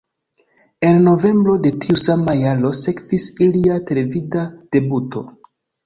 En novembro de tiu sama jaro sekvis ilia televida debuto.